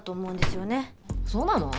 そうなの？